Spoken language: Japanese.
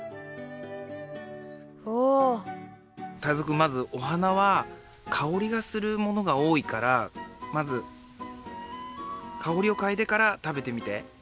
まずお花はかおりがするものがおおいからまずかおりをかいでから食べてみて。